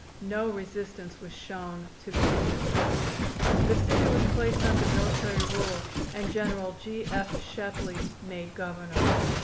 No resistance was shown to the Union troops. The city was placed under military rule and General G. F. Shepley made Governor.